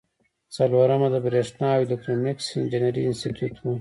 څلورمه د بریښنا او الکترونیکس انجینری انسټیټیوټ و.